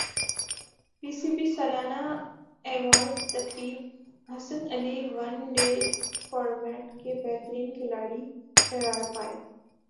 پی C B سالانہ award تقریب Hasan Ali one day format کے بہترین کھلاڑی قرار پائے